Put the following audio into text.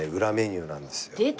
裏メニューなんですよ。